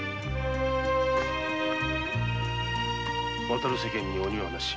「渡る世間に鬼はなし」